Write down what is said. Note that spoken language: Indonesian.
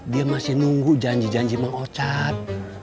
dia masih nunggu janji janji mengocat